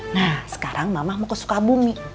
nah sekarang mama mau ke sukabumi